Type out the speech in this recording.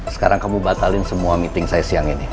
sekarang kamu batalin semua meeting saya sini